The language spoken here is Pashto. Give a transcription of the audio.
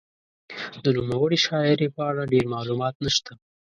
د نوموړې شاعرې په اړه ډېر معلومات نشته.